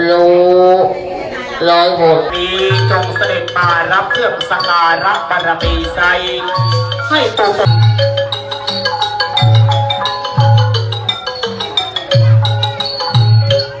สวัสดีทุกคน